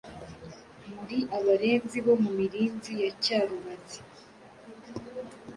Muri abarenzi bo mu Mirinzi ya Cyarubazi